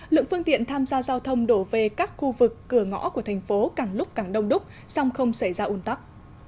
lượng phương tiện tham gia giao thông đổ về các khu vực cửa ngõ của thành phố càng lúc càng đông đúc song không xảy ra un tắc